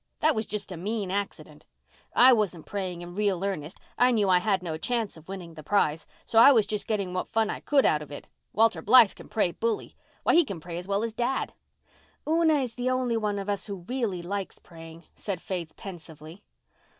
That was just a mean accident. I wasn't praying in real earnest—I knew I had no chance of winning the prize. So I was just getting what fun I could out of it. Walter Blythe can pray bully. Why, he can pray as well as dad." "Una is the only one of US who really likes praying," said Faith pensively.